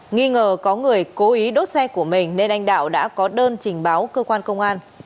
nghi ngờ có người cố ý đốt xe của mình nên anh đạo đã có đơn trình báo cơ quan công an